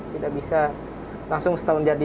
tidak bisa langsung setahun jadi